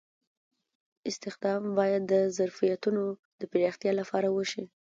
استخدام باید د ظرفیتونو د پراختیا لپاره وشي.